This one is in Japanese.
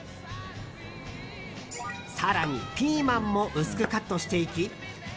更に、ピーマンも薄くカットしていき。